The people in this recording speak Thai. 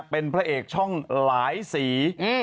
เป็นพระเอกช่องหลายสี